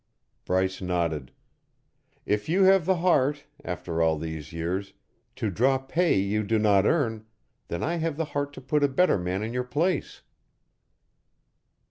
Bryce nodded. "If you have the heart after all these years to draw pay you do not earn, then I have the heart to put a better man in your place."